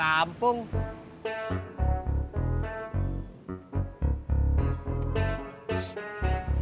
ini apaan sih